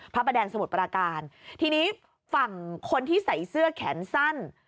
พระประแดงสมุทรปราการทีนี้ฝั่งคนที่ใส่เสื้อแขนสั้น